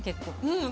うん。